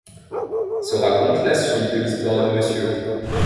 Ce raconte la suite de l'histoire de Mr.